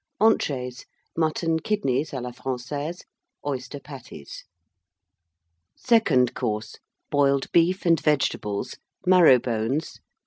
ENTREES. Mutton Kidneys à la Française. Oyster Patties. SECOND COURSE. Boiled Beef and Vegetables. Marrow bones.